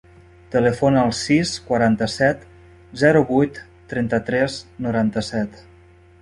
Telefona al sis, quaranta-set, zero, vuit, trenta-tres, noranta-set.